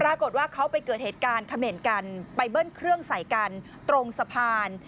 ปรากฏว่าเขาไปเกิดเหตุการณ์เขม่นกันไปเบิ้ลเครื่องใส่กันตรงสะพาน